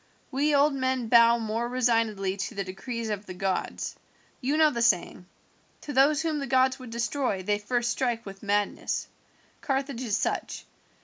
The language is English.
We old men bow more resignedly to the decrees of the gods. You know the saying, 'Those whom the gods would destroy they first strike with madness.' Carthage is such.